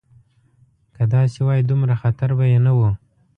که داسې وای دومره خطر به یې نه و.